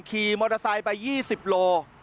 ขี่มอเตอร์ไซค์ไป๒๐โล